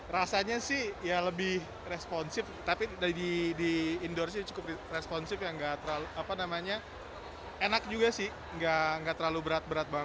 rasanya sih ya lebih responsif tapi di indoors ini cukup responsif ya gak terlalu apa namanya enak juga sih gak terlalu berat berat banget